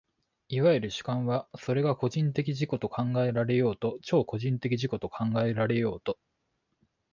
いわゆる主観は、それが個人的自己と考えられようと超個人的自己と考えられようと、